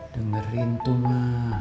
dengerin tuh ma